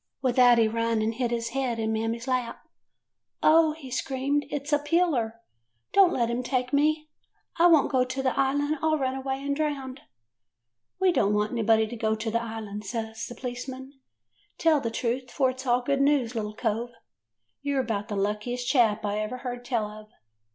"With that he run and hid his head in Mammy's lap. " 'Oh,' he screamed, 'it 's a peeler; don't let him take me! I won't go to the Island; I 'll run away and drown.' " 'We don't want anybody to go to the Island,' said the p'liceman. 'Tell the truth, for it 's all good news, little cove. You 're about the luckiest chap I ever heard tell of.